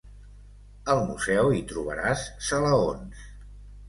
Al museu hi trobaràs salaons.